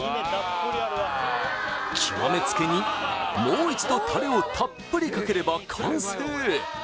極めつけにもう一度タレをたっぷりかければ完成！